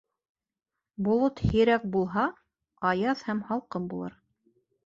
Болот һирәк булһа, аяҙ һәм һалҡын булыр.